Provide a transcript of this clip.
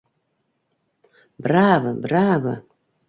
Браво, браво!